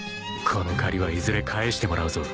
この借りはいずれ返してもらうぞ。